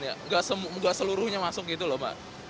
tidak seluruhnya masuk gitu loh mbak